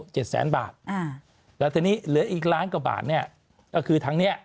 เจ็ดแสนบาทอ่าแล้วทีนี้เหลืออีกล้านกว่าบาทเนี้ยก็คือทางเนี้ย